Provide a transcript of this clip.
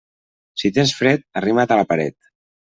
Si tens fred, arrima't a la paret.